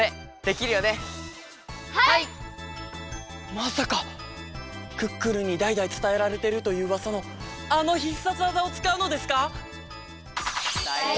まさかクックルンにだいだいつたえられてるといううわさのあの必殺技をつかうのですか！？